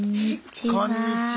こんにちは。